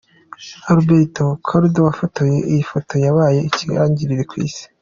Alberto Korda wafotoye iyi foto yabaye ikirangirire ku isi.